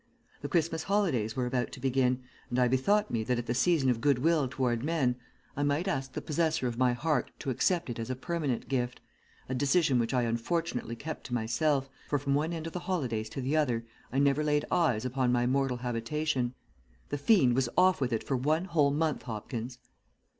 The Christmas holidays were about to begin, and I bethought me that at the season of goodwill toward men I might ask the possessor of my heart to accept it as a permanent gift, a decision which I unfortunately kept to myself, for from one end of the holidays to the other I never laid eyes upon my mortal habitation. The fiend was off with it for one whole month, Hopkins."